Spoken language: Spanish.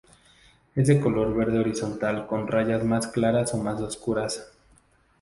Es de color verde horizontal con rayas más claras o más oscuras.